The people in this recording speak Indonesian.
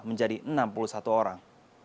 menjadi enam puluh satu orang